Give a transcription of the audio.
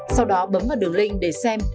sau đó bấm vào đường link để xem